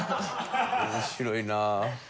面白いなあ。